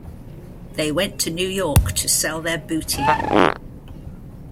They went to New York to sell their booty.